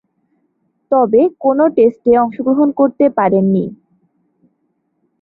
তবে, কোন টেস্টে অংশগ্রহণ করতে পারেননি।